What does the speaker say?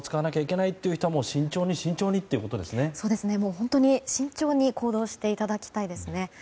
本当に慎重に行動していただきたいですね。